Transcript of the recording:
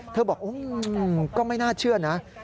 บอกก็ไม่น่าเชื่อนะ